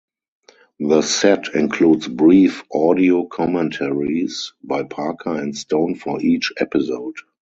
The set includes brief audio commentaries by Parker and Stone for each episode.